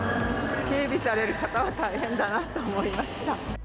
警備される方は大変だなと思いました。